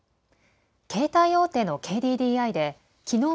携帯大手のＫＤＤＩできのう